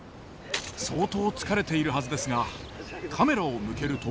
相当疲れているはずですがカメラを向けると。